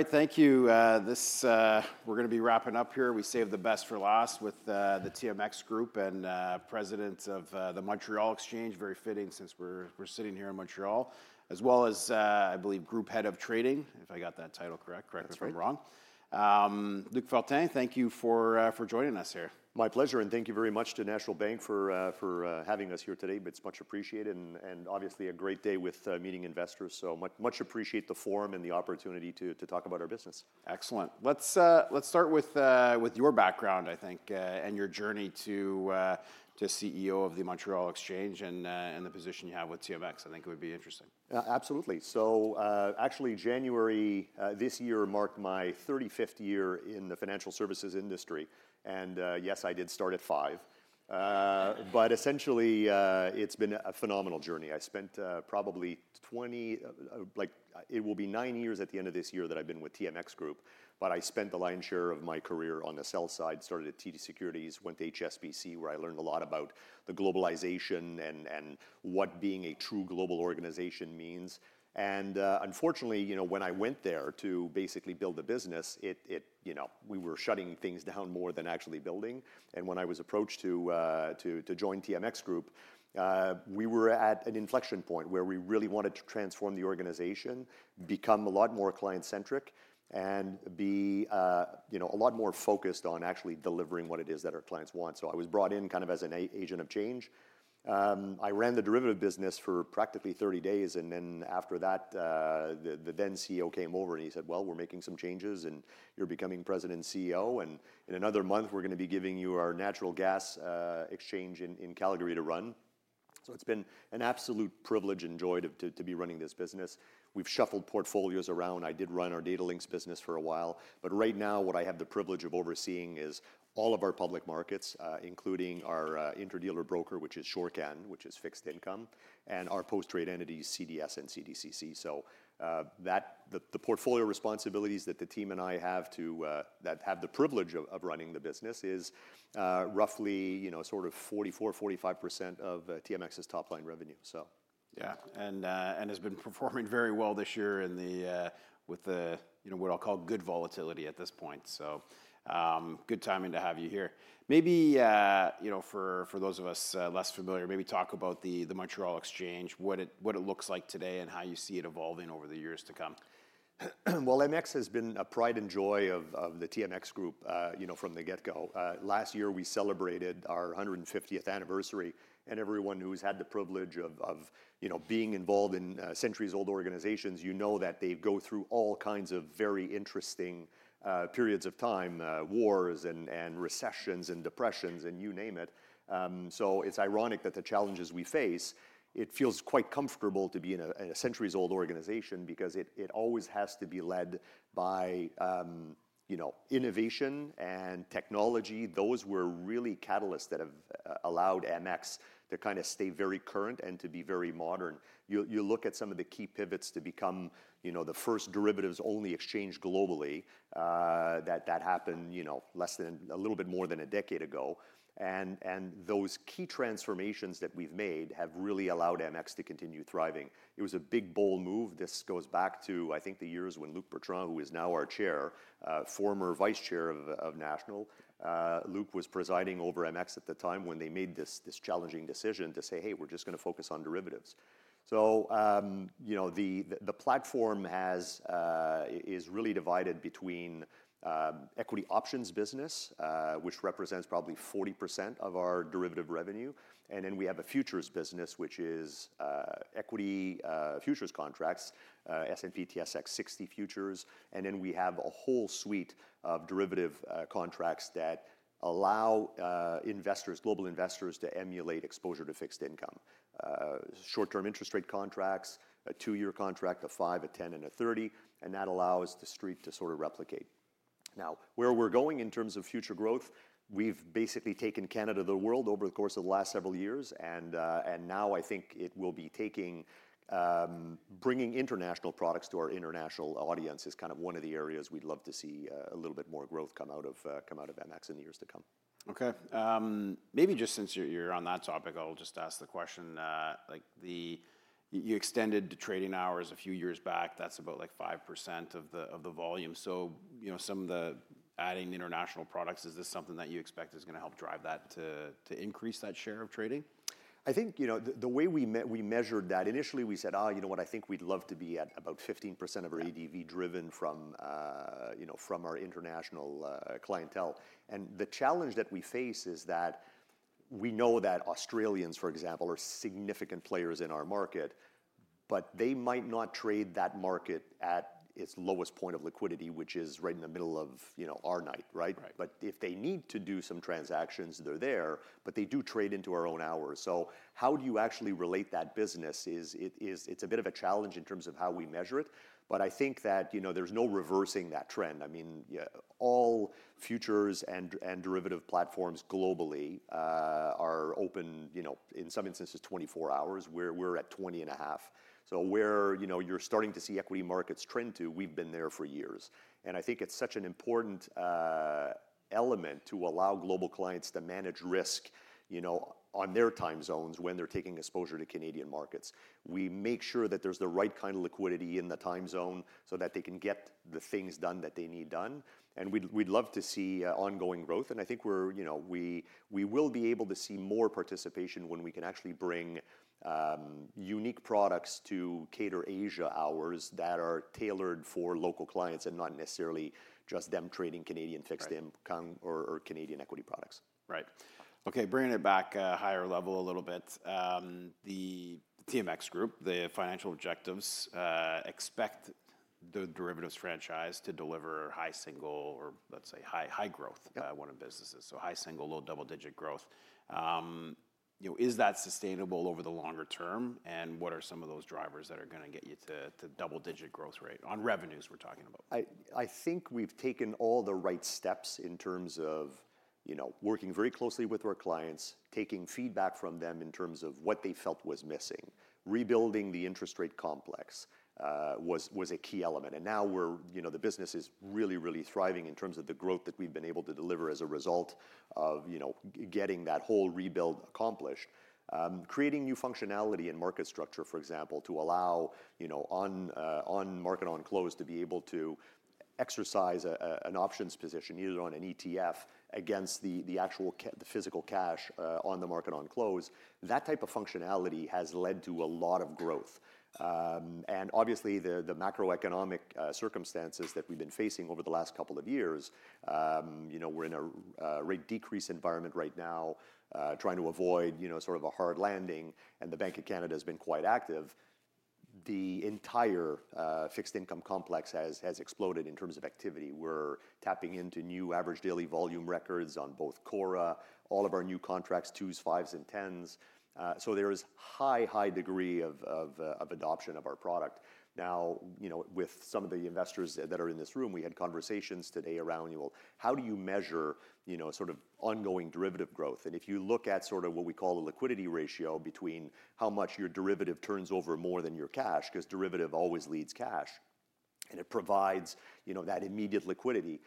All right, thank you. This, we're going to be wrapping up here. We save the best for last with the TMX Group and President of the Montreal Exchange, very fitting since we're sitting here in Montreal, as well as, I believe, Group Head of Trading, if I got that title correct. Correct me if I'm wrong. That's right. Luc Fortin, thank you for joining us here. My pleasure, and thank you very much to National Bank for having us here today. It's much appreciated, and obviously a great day with meeting investors, so much appreciate the forum and the opportunity to talk about our business. Excellent. Let's start with your background, I think, and your journey to CEO of the Montreal Exchange and the position you have with TMX. I think it would be interesting. Absolutely. Actually, January this year marked my 35th year in the financial services industry, and yes, I did start at five. Essentially, it's been a phenomenal journey. I spent probably 20, like it will be nine years at the end of this year that I've been with TMX Group, but I spent the lion's share of my career on the sell side. Started at TD Securities, went to HSBC, where I learned a lot about the globalization and what being a true global organization means. Unfortunately, you know, when I went there to basically build the business, we were shutting things down more than actually building. When I was approached to join TMX Group, we were at an inflection point where we really wanted to transform the organization, become a lot more client-centric, and be a lot more focused on actually delivering what it is that our clients want. I was brought in kind of as an agent of change. I ran the derivative business for practically 30 days, and after that, the then CEO came over and he said, "We're making some changes and you're becoming President and CEO, and in another month we're going to be giving you our natural gas exchange in Calgary to run." It has been an absolute privilege and joy to be running this business. We've shuffled portfolios around. I did run our data links business for a while, but right now what I have the privilege of overseeing is all of our public markets, including our inter-dealer broker, which is Shorecan, which is fixed income, and our post-trade entities, CDS and CDCC. The portfolio responsibilities that the team and I have to have the privilege of running the business is roughly sort of 44-45% of TMX's top line revenue. Yeah, and has been performing very well this year with what I'll call good volatility at this point. Good timing to have you here. Maybe for those of us less familiar, maybe talk about the Montreal Exchange, what it looks like today and how you see it evolving over the years to come. MX has been a pride and joy of the TMX Group from the get-go. Last year we celebrated our 150th anniversary, and everyone who's had the privilege of being involved in centuries-old organizations, you know that they go through all kinds of very interesting periods of time, wars and recessions and depressions and you name it. It is ironic that the challenges we face, it feels quite comfortable to be in a centuries-old organization because it always has to be led by innovation and technology. Those were really catalysts that have allowed MX to kind of stay very current and to be very modern. You look at some of the key pivots to become the first derivatives-only exchange globally, that happened less than a little bit more than a decade ago. Those key transformations that we've made have really allowed MX to continue thriving. It was a big bold move. This goes back to, I think, the years when Luc Fortin, who is now our Chair, former Vice Chair of National Bank, Luc was presiding over Montreal Exchange at the time when they made this challenging decision to say, "Hey, we're just going to focus on derivatives." The platform is really divided between equity options business, which represents probably 40% of our derivative revenue, and then we have a futures business, which is equity futures contracts, S&P/TSX 60 futures, and then we have a whole suite of derivative contracts that allow investors, global investors, to emulate exposure to fixed income. Short-term interest rate contracts, a two-year contract, a five, a ten, and a thirty, and that allows the street to sort of replicate. Now, where we're going in terms of future growth, we've basically taken Canada to the world over the course of the last several years, and now I think it will be taking bringing international products to our international audience is kind of one of the areas we'd love to see a little bit more growth come out of MX in the years to come. Okay. Maybe just since you're on that topic, I'll just ask the question. You extended trading hours a few years back. That's about 5% of the volume. Some of the adding international products, is this something that you expect is going to help drive that to increase that share of trading? I think the way we measured that, initially we said, "Oh, you know what, I think we'd love to be at about 15% of our EDV driven from our international clientele." The challenge that we face is that we know that Australians, for example, are significant players in our market, but they might not trade that market at its lowest point of liquidity, which is right in the middle of our night, right? If they need to do some transactions, they're there, but they do trade into our own hours. How do you actually relate that business is it's a bit of a challenge in terms of how we measure it, but I think that there's no reversing that trend. I mean, all futures and derivative platforms globally are open in some instances 24 hours. We're at 20 and a half. Where you're starting to see equity markets trend to, we've been there for years. I think it's such an important element to allow global clients to manage risk on their time zones when they're taking exposure to Canadian markets. We make sure that there's the right kind of liquidity in the time zone so that they can get the things done that they need done. We'd love to see ongoing growth, and I think we will be able to see more participation when we can actually bring unique products to cater Asia hours that are tailored for local clients and not necessarily just them trading Canadian fixed income or Canadian equity products. Right. Okay, bringing it back higher level a little bit. The TMX Group, the financial objectives expect the derivatives franchise to deliver high single or let's say high growth, one of businesses. So high single, low double-digit growth. Is that sustainable over the longer term, and what are some of those drivers that are going to get you to double-digit growth rate on revenues we're talking about? I think we've taken all the right steps in terms of working very closely with our clients, taking feedback from them in terms of what they felt was missing. Rebuilding the interest rate complex was a key element, and now the business is really, really thriving in terms of the growth that we've been able to deliver as a result of getting that whole rebuild accomplished. Creating new functionality in market structure, for example, to allow on Market On Close to be able to exercise an options position either on an ETF against the actual physical cash on the Market On Close. That type of functionality has led to a lot of growth. Obviously, the macroeconomic circumstances that we've been facing over the last couple of years, we're in a rate decrease environment right now trying to avoid sort of a hard landing, and the Bank of Canada has been quite active. The entire fixed income complex has exploded in terms of activity. We're tapping into new average daily volume records on both CORRA, all of our new contracts, twos, fives, and tens. There is a high, high degree of adoption of our product. Now, with some of the investors that are in this room, we had conversations today around, well, how do you measure sort of ongoing derivative growth? If you look at sort of what we call a liquidity ratio between how much your derivative turns over more than your cash, because derivative always leads cash, and it provides that immediate liquidity.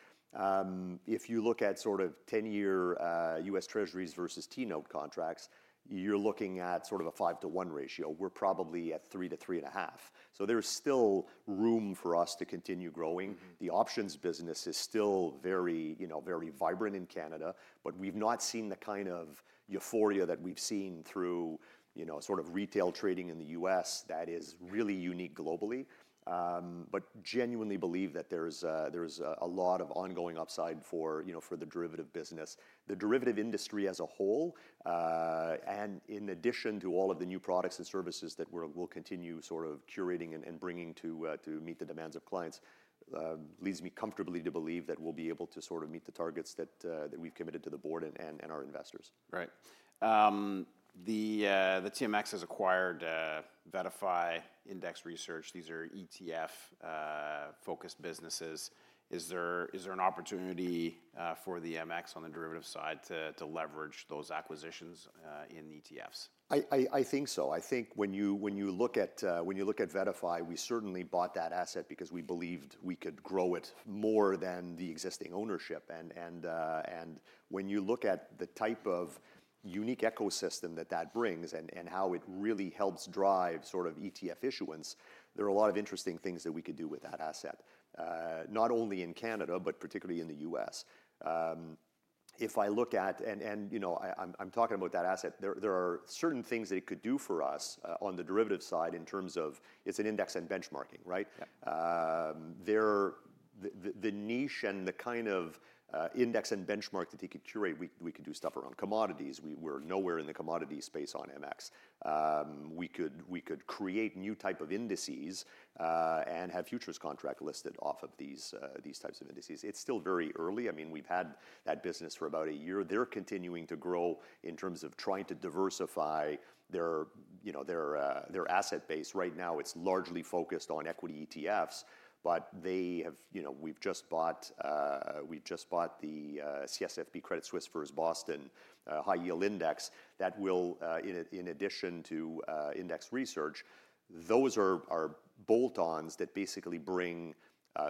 If you look at sort of 10-year U.S. Treasuries versus T-note contracts, you're looking at sort of a five to one ratio. We're probably at three to three and a half. There is still room for us to continue growing. The options business is still very vibrant in Canada, but we've not seen the kind of euphoria that we've seen through sort of retail trading in the U.S. that is really unique globally. I genuinely believe that there's a lot of ongoing upside for the derivative business. The derivative industry as a whole, and in addition to all of the new products and services that we'll continue sort of curating and bringing to meet the demands of clients, leads me comfortably to believe that we'll be able to sort of meet the targets that we've committed to the board and our investors. Right. The TMX has acquired VettaFi Index Research. These are ETF-focused businesses. Is there an opportunity for the MX on the derivative side to leverage those acquisitions in ETFs? I think so. I think when you look at VettaFi, we certainly bought that asset because we believed we could grow it more than the existing ownership. When you look at the type of unique ecosystem that that brings and how it really helps drive sort of ETF issuance, there are a lot of interesting things that we could do with that asset, not only in Canada, but particularly in the US. If I look at, and I'm talking about that asset, there are certain things that it could do for us on the derivative side in terms of its index and benchmarking, right? The niche and the kind of index and benchmark that you could curate, we could do stuff around commodities. We're nowhere in the commodity space on MX. We could create new type of indices and have futures contract listed off of these types of indices. It's still very early. I mean, we've had that business for about a year. They're continuing to grow in terms of trying to diversify their asset base. Right now, it's largely focused on equity ETFs, but we've just bought the Credit Suisse High Yield Index that will, in addition to index research, those are bolt-ons that basically bring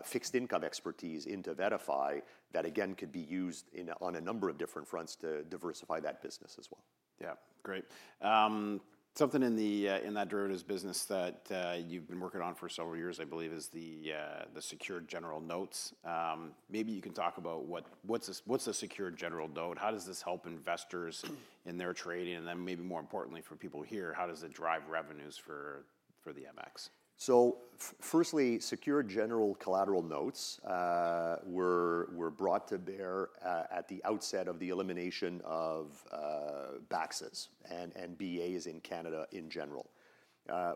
fixed income expertise into VettaFi that again could be used on a number of different fronts to diversify that business as well. Yeah, great. Something in that derivatives business that you've been working on for several years, I believe, is the secured general notes. Maybe you can talk about what's a secured general note? How does this help investors in their trading? Maybe more importantly for people here, how does it drive revenues for the MX? Firstly, secured general collateral notes were brought to bear at the outset of the elimination of BAX and BAs in Canada in general.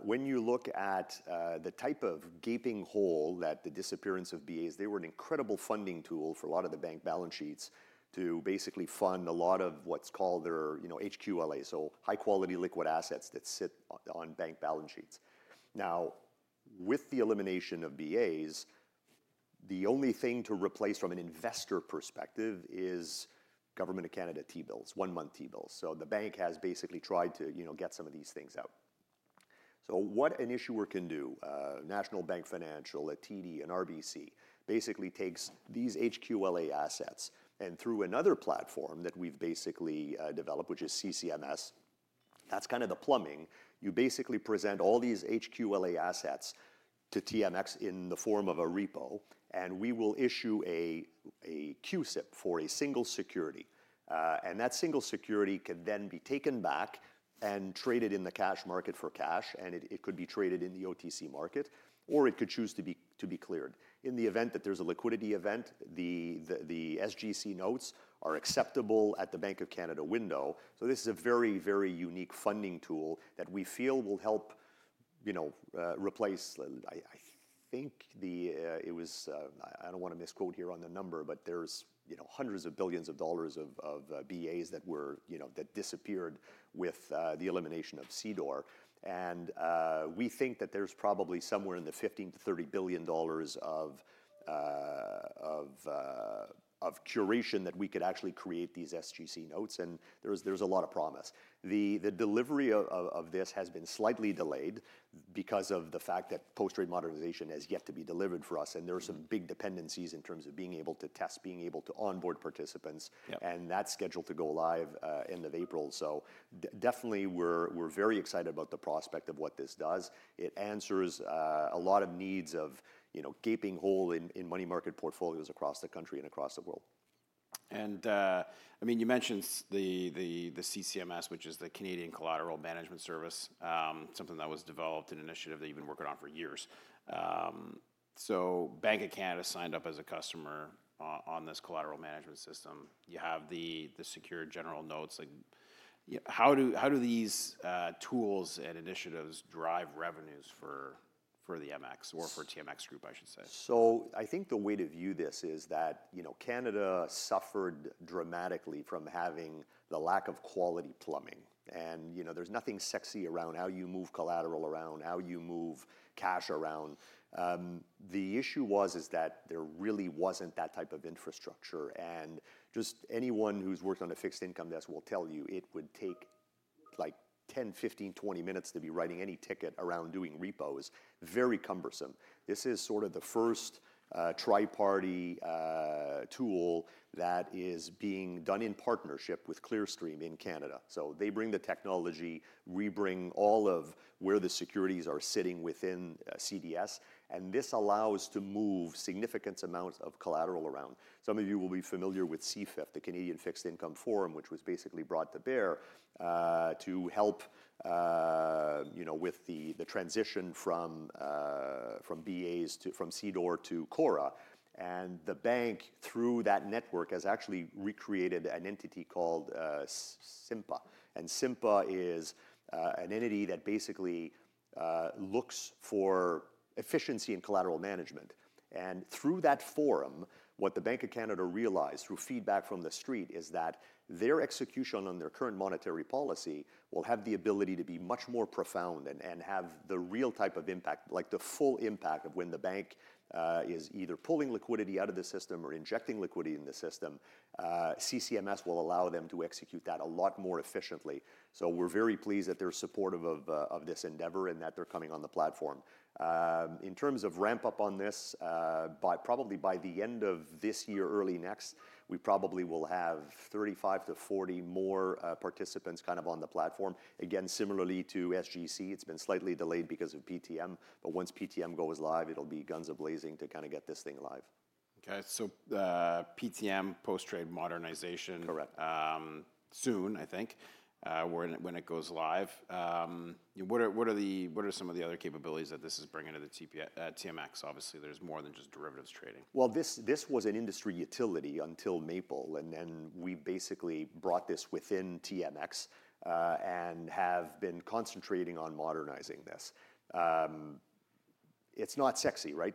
When you look at the type of gaping hole that the disappearance of BAs, they were an incredible funding tool for a lot of the bank balance sheets to basically fund a lot of what's called their HQLA, so high quality liquid assets that sit on bank balance sheets. Now, with the elimination of BAs, the only thing to replace from an investor perspective is Government of Canada T-bills, one-month T-bills. The bank has basically tried to get some of these things out. What an issuer can do, National Bank Financial, a TD, an RBC, basically takes these HQLA assets and through another platform that we've basically developed, which is CCMS, that's kind of the plumbing. You basically present all these HQLA assets to TMX in the form of a repo, and we will issue a CUSIP for a single security. That single security can then be taken back and traded in the cash market for cash, and it could be traded in the OTC market, or it could choose to be cleared. In the event that there is a liquidity event, the SGC notes are acceptable at the Bank of Canada window. This is a very, very unique funding tool that we feel will help replace, I think it was, I do not want to misquote here on the number, but there are hundreds of billions of dollars of BAs that disappeared with the elimination of CDOR. We think that there's probably somewhere in the 15 billion-30 billion dollars of curation that we could actually create these SGC notes, and there's a lot of promise. The delivery of this has been slightly delayed because of the fact that Post-Trade Modernization has yet to be delivered for us, and there are some big dependencies in terms of being able to test, being able to onboard participants, and that's scheduled to go live end of April. We are definitely very excited about the prospect of what this does. It answers a lot of needs of gaping hole in money market portfolios across the country and across the world. I mean, you mentioned the CCMS, which is the Canadian Collateral Management Service, something that was developed, an initiative that you've been working on for years. Bank of Canada signed up as a customer on this collateral management system. You have the secured general notes. How do these tools and initiatives drive revenues for the MX or for TMX Group, I should say? I think the way to view this is that Canada suffered dramatically from having the lack of quality plumbing, and there's nothing sexy around how you move collateral around, how you move cash around. The issue was that there really wasn't that type of infrastructure, and just anyone who's worked on a fixed income desk will tell you it would take like 10, 15, 20 minutes to be writing any ticket around doing repos, very cumbersome. This is sort of the first tri-party tool that is being done in partnership with Clearstream in Canada. They bring the technology, we bring all of where the securities are sitting within CDS, and this allows to move significant amounts of collateral around. Some of you will be familiar with CFIF, the Canadian Fixed Income Forum, which was basically brought to bear to help with the transition from CDOR to CORRA. The bank, through that network, has actually recreated an entity called SIMPA. SIMPA is an entity that basically looks for efficiency in collateral management. Through that forum, what the Bank of Canada realized through feedback from the street is that their execution on their current monetary policy will have the ability to be much more profound and have the real type of impact, like the full impact of when the bank is either pulling liquidity out of the system or injecting liquidity in the system. CCMS will allow them to execute that a lot more efficiently. We are very pleased that they are supportive of this endeavor and that they are coming on the platform. In terms of ramp up on this, probably by the end of this year, early next, we probably will have 35-40 more participants kind of on the platform. Again, similarly to SGC, it's been slightly delayed because of PTM, but once PTM goes live, it'll be guns a-blazing to kind of get this thing live. Okay, so PTM post-trade modernization. Correct. Soon, I think, when it goes live. What are some of the other capabilities that this is bringing to the TMX? Obviously, there's more than just derivatives trading. This was an industry utility until Maple, and then we basically brought this within TMX and have been concentrating on modernizing this. It's not sexy, right?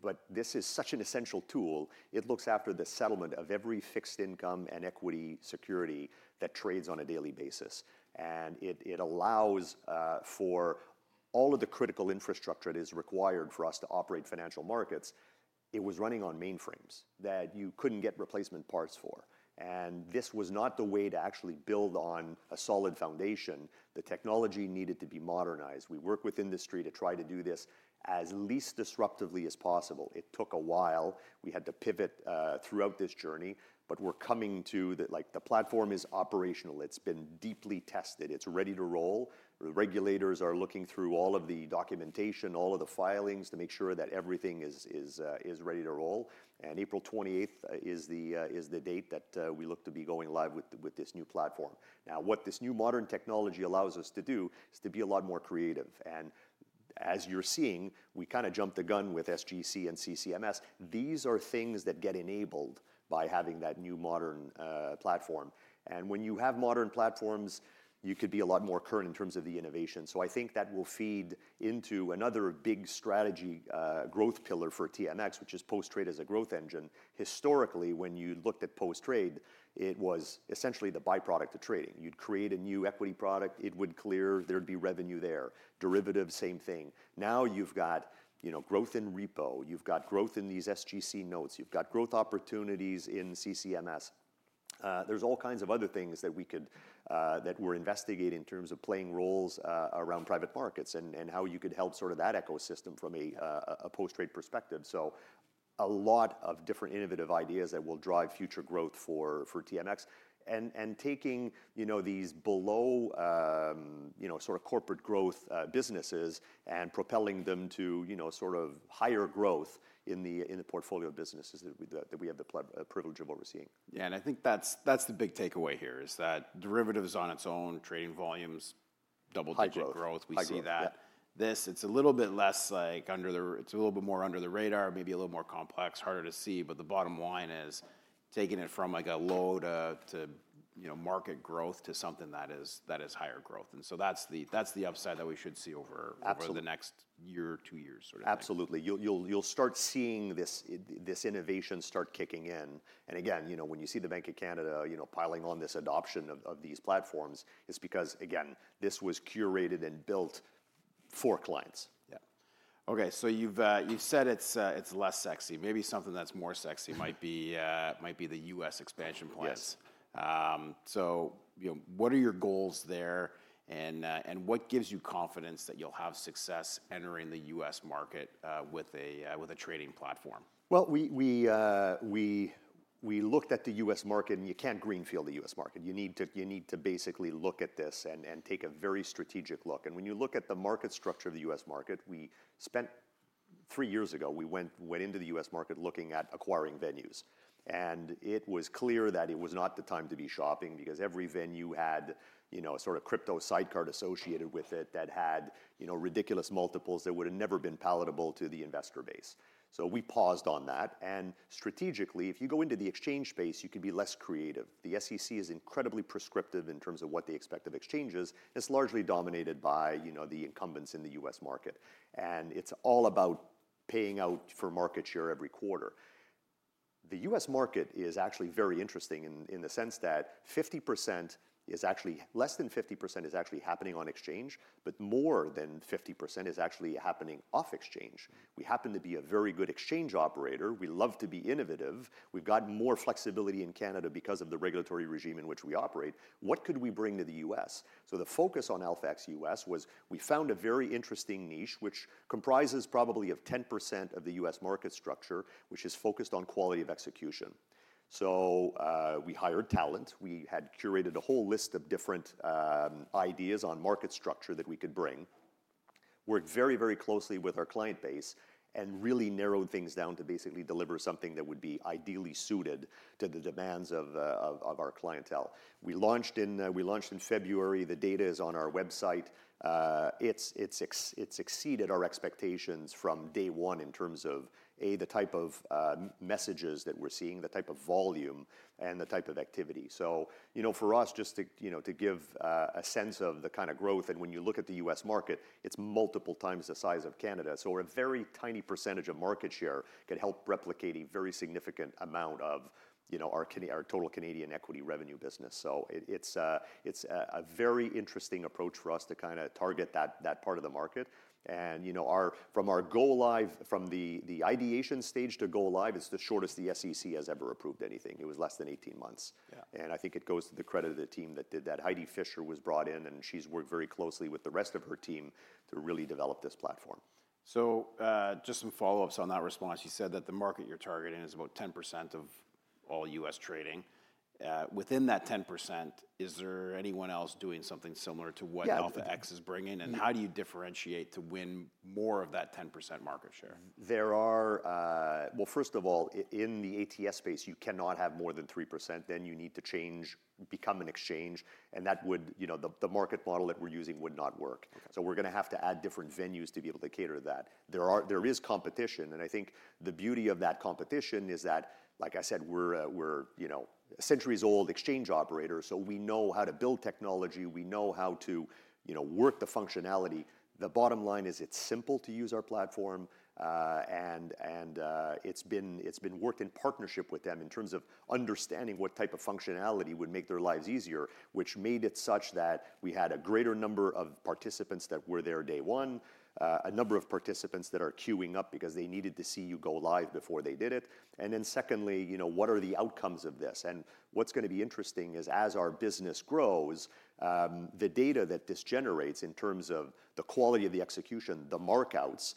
But this is such an essential tool. It looks after the settlement of every fixed income and equity security that trades on a daily basis. It allows for all of the critical infrastructure that is required for us to operate financial markets. It was running on mainframes that you could not get replacement parts for. This was not the way to actually build on a solid foundation. The technology needed to be modernized. We worked with industry to try to do this as least disruptively as possible. It took a while. We had to pivot throughout this journey, but we're coming to the platform is operational. It's been deeply tested. It's ready to roll. Regulators are looking through all of the documentation, all of the filings to make sure that everything is ready to roll. April 28th is the date that we look to be going live with this new platform. Now, what this new modern technology allows us to do is to be a lot more creative. As you're seeing, we kind of jumped the gun with SGC and CCMS. These are things that get enabled by having that new modern platform. When you have modern platforms, you could be a lot more current in terms of the innovation. I think that will feed into another big strategy growth pillar for TMX, which is post-trade as a growth engine. Historically, when you looked at post-trade, it was essentially the byproduct of trading. You'd create a new equity product, it would clear, there'd be revenue there. Derivatives, same thing. Now you've got growth in repo, you've got growth in these SGC notes, you've got growth opportunities in CCMS. There are all kinds of other things that we're investigating in terms of playing roles around private markets and how you could help sort of that ecosystem from a post-trade perspective. A lot of different innovative ideas will drive future growth for TMX and taking these below sort of corporate growth businesses and propelling them to sort of higher growth in the portfolio of businesses that we have the privilege of overseeing. Yeah, and I think that's the big takeaway here is that derivatives on its own, trading volumes, double digit growth, we see that. It's a little bit more under the radar, maybe a little more complex, harder to see, but the bottom line is taking it from like a low to market growth to something that is higher growth. And so that's the upside that we should see over the next year or two years. Absolutely. You'll start seeing this innovation start kicking in. Again, when you see the Bank of Canada piling on this adoption of these platforms, it's because, again, this was curated and built for clients. Yeah. Okay, you have said it is less sexy. Maybe something that is more sexy might be the US expansion plans. What are your goals there and what gives you confidence that you will have success entering the U.S. market with a trading platform? We looked at the U.S. market and you can't greenfield the US market. You need to basically look at this and take a very strategic look. When you look at the market structure of the U.S. market, we spent three years ago, we went into the U.S. market looking at acquiring venues. It was clear that it was not the time to be shopping because every venue had a sort of crypto sidecard associated with it that had ridiculous multiples that would have never been palatable to the investor base. We paused on that. Strategically, if you go into the exchange space, you can be less creative. The SEC is incredibly prescriptive in terms of what they expect of exchanges. It's largely dominated by the incumbents in the U.S. market. It's all about paying out for market share every quarter. The U.S. market is actually very interesting in the sense that 50% is actually less than 50% is actually happening on exchange, but more than 50% is actually happening off exchange. We happen to be a very good exchange operator. We love to be innovative. We have got more flexibility in Canada because of the regulatory regime in which we operate. What could we bring to the U.S.? The focus on LFX U.S. was we found a very interesting niche, which comprises probably of 10% of the U.S. market structure, which is focused on quality of execution. We hired talent. We had curated a whole list of different ideas on market structure that we could bring. Worked very, very closely with our client base and really narrowed things down to basically deliver something that would be ideally suited to the demands of our clientele. We launched in February. The data is on our website. It's exceeded our expectations from day one in terms of, A, the type of messages that we're seeing, the type of volume, and the type of activity. For us, just to give a sense of the kind of growth, when you look at the US market, it's multiple times the size of Canada. A very tiny percentage of market share can help replicate a very significant amount of our total Canadian equity revenue business. It's a very interesting approach for us to kind of target that part of the market. From our go live, from the ideation stage to go live is the shortest the SEC has ever approved anything. It was less than 18 months. I think it goes to the credit of the team that did that. Heidi Fischer was brought in and she's worked very closely with the rest of her team to really develop this platform. Just some follow-ups on that response. You said that the market you're targeting is about 10% of all U.S. trading. Within that 10%, is there anyone else doing something similar to what LFX is bringing? How do you differentiate to win more of that 10% market share? First of all, in the ATS space, you cannot have more than 3%. You need to change, become an exchange. That would, the market model that we're using would not work. We are going to have to add different venues to be able to cater to that. There is competition. I think the beauty of that competition is that, like I said, we're centuries-old exchange operators. We know how to build technology. We know how to work the functionality. The bottom line is it's simple to use our platform. It has been worked in partnership with them in terms of understanding what type of functionality would make their lives easier, which made it such that we had a greater number of participants that were there day one, a number of participants that are queuing up because they needed to see you go live before they did it. Secondly, what are the outcomes of this? What is going to be interesting is as our business grows, the data that this generates in terms of the quality of the execution, the markouts,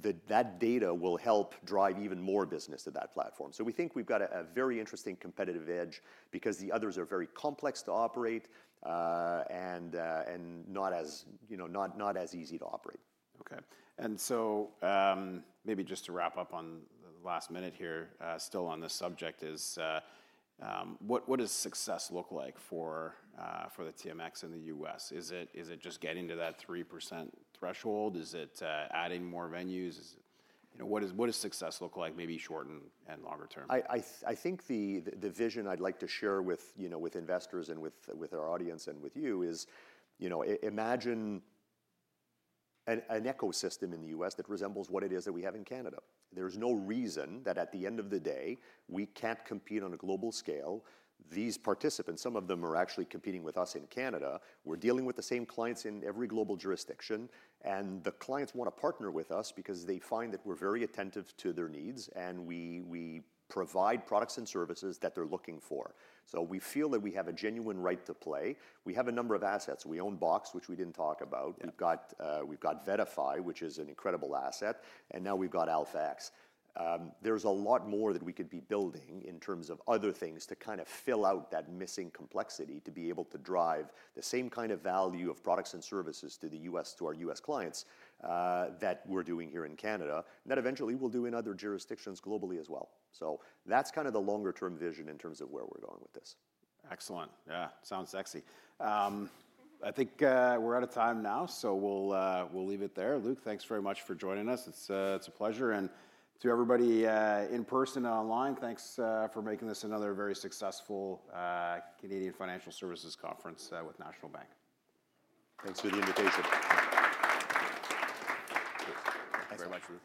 that data will help drive even more business to that platform. We think we have a very interesting competitive edge because the others are very complex to operate and not as easy to operate. Okay. Maybe just to wrap up on the last minute here, still on this subject, what does success look like for the TMX in the U.S.? Is it just getting to that 3% threshold? Is it adding more venues? What does success look like, maybe short and longer term? I think the vision I'd like to share with investors and with our audience and with you is imagine an ecosystem in the U.S. that resembles what it is that we have in Canada. There's no reason that at the end of the day, we can't compete on a global scale. These participants, some of them are actually competing with us in Canada. We're dealing with the same clients in every global jurisdiction. The clients want to partner with us because they find that we're very attentive to their needs and we provide products and services that they're looking for. We feel that we have a genuine right to play. We have a number of assets. We own BOX, which we didn't talk about. We've got VettaFi, which is an incredible asset. Now we've got LFX. is a lot more that we could be building in terms of other things to kind of fill out that missing complexity to be able to drive the same kind of value of products and services to the U.S., to our U.S. clients that we are doing here in Canada and that eventually we will do in other jurisdictions globally as well. That is kind of the longer-term vision in terms of where we are going with this. Excellent. Yeah, sounds sexy. I think we're out of time now, so we'll leave it there. Luc, thanks very much for joining us. It's a pleasure. To everybody in person and online, thanks for making this another very successful Canadian Financial Services Conference with National Bank. Thanks for the invitation. Thanks very much.